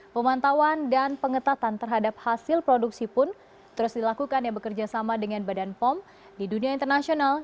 pemantauan dan pengetatan terhadap hasil produksi pun terus dilakukan yang bekerja sama dengan badan pom di dunia internasional